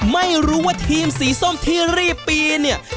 ไม่รู้ว่าทีมสีส้มที่รีบปีนเนี่ย